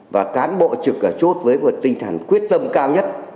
và cán bộ trực ở chốt với một tinh thần quyết tâm cao nhất